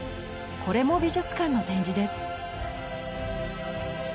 これも美術館の展示です。